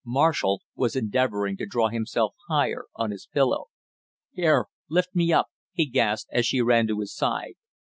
Marshall was endeavoring to draw himself higher on his pillow. "Here lift me up " he gasped, as she ran to his side.